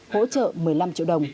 hỗ trợ một mươi năm triệu đồng